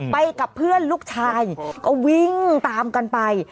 ไปกับเพื่อนลูกชายก็วิ่งตามกันไป